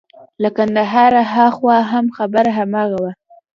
له کندهاره هاخوا هم خبره هماغه وه.